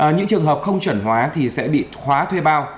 những trường hợp không chuẩn hóa thì sẽ bị khóa thuê bao